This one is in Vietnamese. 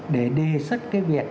để đề xuất cái việc